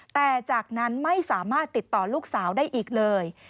แต่จากนั้นไม่สามารถติดต่อลูกสาวได้อีกเลย